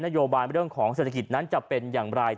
โยบายเรื่องของเศรษฐกิจนั้นจะเป็นอย่างไร